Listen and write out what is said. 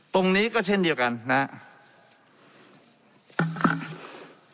ตรงนี้ก็เช่นเดียวกันนะครับ